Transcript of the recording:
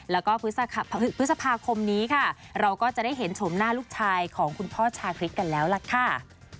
แล้วก็พฤษภาคมนี้ค่ะเราก็จะได้เห็นชมหน้าลูกชายของคุณพ่อชาคริสกันแล้วล่ะค่ะ